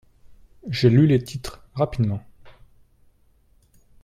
J'ai lu les titres rapidement.